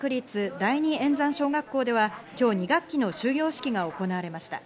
第二延山小学校では今日２学期の終業式が行われました。